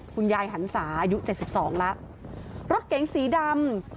คุณยายหันศาอายุ๗๒ละรถเก๋งสีดำ